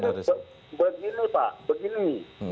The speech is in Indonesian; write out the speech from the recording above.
begini pak begini